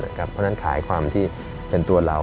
เพราะฉะนั้นขายความที่เป็นตัวเรา